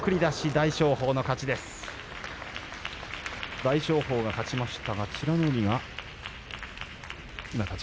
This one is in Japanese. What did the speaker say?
大翔鵬が勝ちました。